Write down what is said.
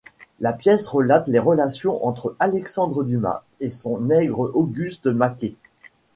La pièce relate les relations entre Alexandre Dumas et son nègre Auguste Maquet.